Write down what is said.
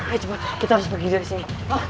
ayo cuma kita harus pergi dari sini